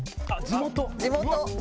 地元。